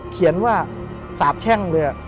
เขียนว่าสาบแช่งเลย